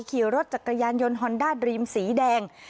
ขี่รถจักรยานยนต์ฮอนด้าดรีมสีแดง